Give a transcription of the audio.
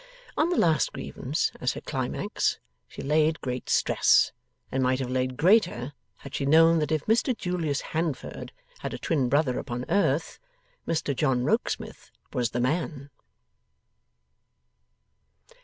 On the last grievance as her climax, she laid great stress and might have laid greater, had she known that if Mr Julius Handford had a twin brother upon earth, Mr John Rokesmith was the man.